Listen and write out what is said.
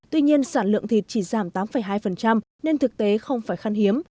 tuy nhiên sản lượng thịt chỉ giảm tám hai nên thực tế không phải khăn hiếm